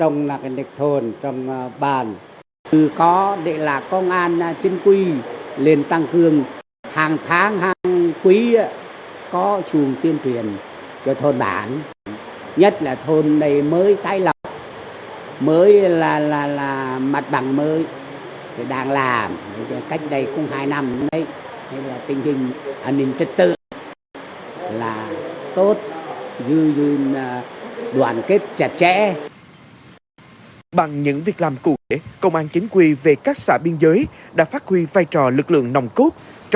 nhờ vậy tình hình an ninh trật tự tại xã biên giới đã cơ bản ổn định tài năng xã hội cũng như các loài tội phạm giảm rệt